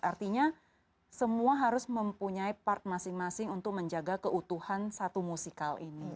artinya semua harus mempunyai part masing masing untuk menjaga keutuhan satu musikal ini